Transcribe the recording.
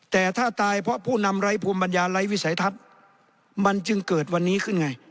แต่ถ้าตายเพราะผู้นำไร้ภูมิปัญญาไร้วิสัยทัศน์มันจึงเกิดวันนี้ขึ้นไง